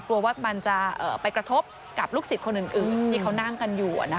กลัวว่ามันจะไปกระทบกับลูกศิษย์คนอื่นที่เขานั่งกันอยู่